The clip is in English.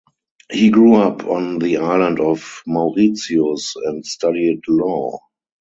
He grew up on the island of Mauritius and studied law.